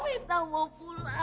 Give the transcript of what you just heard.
minta mau pulang